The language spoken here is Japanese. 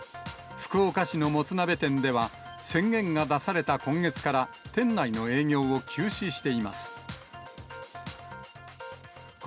福岡市のもつ鍋店では、宣言が出された今月から、店内の営業を休止しています。